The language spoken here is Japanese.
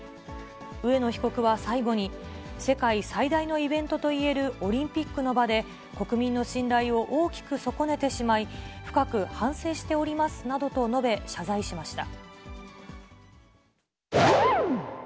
植野被告は最後に、世界最大のイベントといえるオリンピックの場で、国民の信頼を大きく損ねてしまい、深く反省しておりますなどと述べ、謝罪しました。